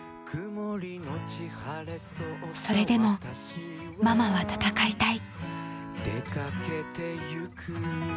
それでもママは戦いたい。